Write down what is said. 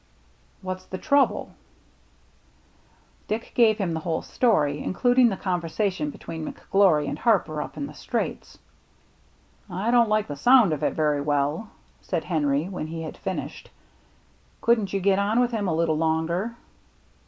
" What's the trouble ?" Dick gave him the whole story, including the conversation between McGlory and Harper up in the straits. 142 THE MERRT ANNE " I don't like the sound of it very well," said Henry, when he had finished. " Couldn't you get on with him a little longer